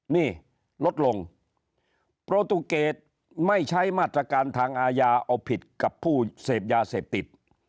นี่ลดลงโปรตูเกตไม่ใช้มาตรการทางอาญาเอาผิดกับผู้เสพยาเสพติด